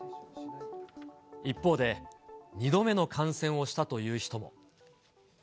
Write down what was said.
一方で、２度目の感染をしたという人も。